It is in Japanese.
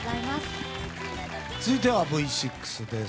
続いてはＶ６です。